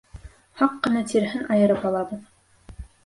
Һаҡ ҡына тиреһен айырып алабыҙ.